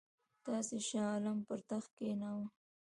تاسي شاه عالم پر تخت کښېناوه.